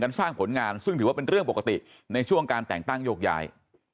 สร้างผลงานซึ่งถือว่าเป็นเรื่องปกติในช่วงการแต่งตั้งโยกย้าย